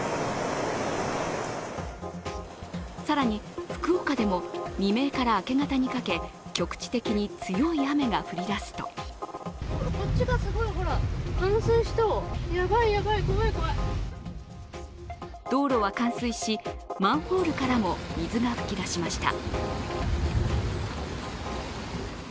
更に福岡でも未明から明け方にかけ、局地的に強い雨が降りだすと道路は冠水し、マンホールからも水が噴き出しました。